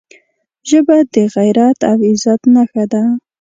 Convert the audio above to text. ژبه د غیرت او عزت نښه ده